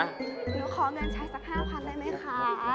หนูขอเงินใช้สัก๕๐๐๐ได้ไหมคะ